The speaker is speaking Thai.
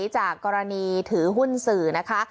จากกรณีถือหุ้นสื่อนะคะ